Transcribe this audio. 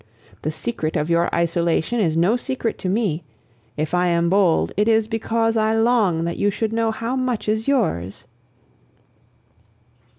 The secret of your isolation is no secret to me! If I am bold, it is because I long that you should know how much is yours.